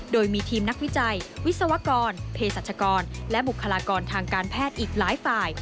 โดยมีทีมนักวิจัยวิศวกรเพศรัชกรและบุคลากรทางการแพทย์อีกหลายฝ่าย